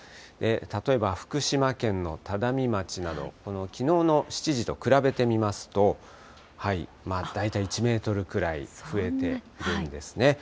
例えば福島県の只見町など、きのうの７時と比べてみますと、大体１メートルくらい増えているんですね。